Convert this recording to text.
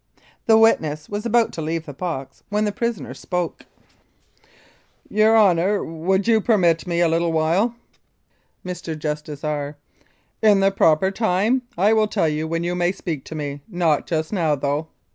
The witness was about to leave the box when the prisoner spoke : 203 Mounted Police Life in Canada Your Honour, would you permit me a little while Mr. JUSTICE R. : In the proper time. I will tell you when you may speak to me. Not just now, though.